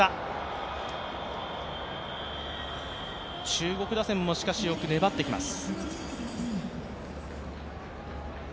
中国打線もよく粘ってきます。